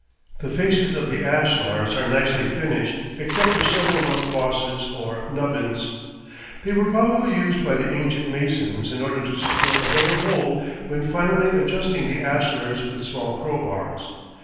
The faces of the ashlars are nicely finished except for several rough bosses or nubbins. They were probably used by the ancient masons in order to secure a better hold when finally adjusting the ashlars with small crowbars.